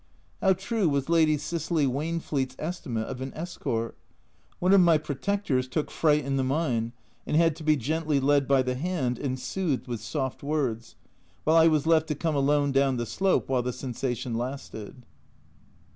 How true was Lady Cicely Wainflete's estimate of an escort ! One of my ''protectors" took fright in the mine, and had to be gently led by the hand and soothed with soft words, while I was left to come alone down the slope while the sensation lasted.